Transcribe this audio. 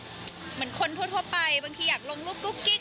เหมือนคนทั่วไปบางทีอยากลงรูปกุ๊กกิ๊ก